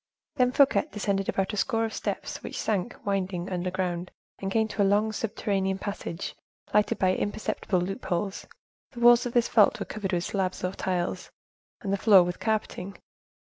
Then Fouquet descended about a score of steps which sank, winding, underground, and came to a long, subterranean passage, lighted by imperceptible loopholes. The walls of this vault were covered with slabs or tiles, and the floor with carpeting.